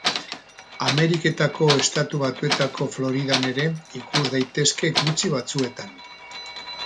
Ameriketako Estatu Batuetako Floridan ere ikus daitezke gutxi batzuetan.